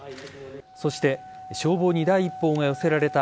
そして消防に第一報が寄せられた